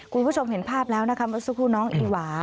คุณผู้ชมเห็นภาพแล้วนะครับสุขุน้องไอหวะ